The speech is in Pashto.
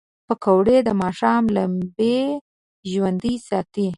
پکورې د ماښام لمبې ژوندۍ ساتي